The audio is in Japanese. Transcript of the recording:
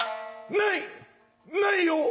ないよ。